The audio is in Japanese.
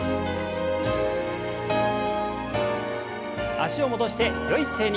脚を戻してよい姿勢に。